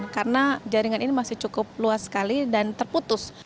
karena jaringan ini masih cukup luas sekali dan terputus